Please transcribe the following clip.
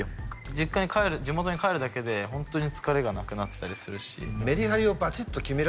地元に帰るだけでホントに疲れがなくなってたりするし。